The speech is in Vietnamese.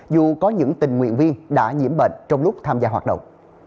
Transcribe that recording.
dù có những tình nguyện viên đã nhiễm bệnh trong lúc tham gia hoạt động